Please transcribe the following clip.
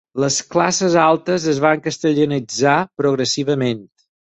Les classes altes es van castellanitzar progressivament.